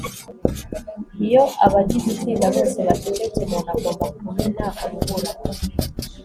iyo abagize itsinda bose bacecetse, umuntu agomba kumena urubura